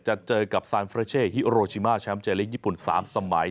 จะเจอกับซานเฟรเช่ฮิโรชิมาแชมป์เจลิกญี่ปุ่น๓สมัย